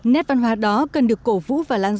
nét văn hóa đó cần được cổ vũ và lãng phí